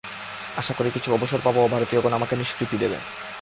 আশা করি কিছু অবসর পাব ও ভারতীয়গণ আমাকে নিষ্কৃতি দেবে।